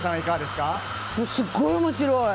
すごい面白い！